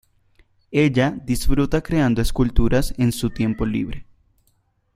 Ella disfruta creando esculturas en su tiempo libre.